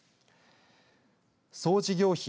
総事業費